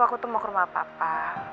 aku tuh mau ke rumah papa